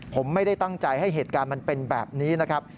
ผมไม่ได้ตั้งใจให้เหตุการณ์มันเป็นแบบนี้นะครับ